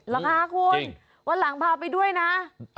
เหรอคะคุณวันหลังพาไปด้วยนะ